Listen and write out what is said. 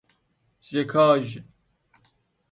ژکاژ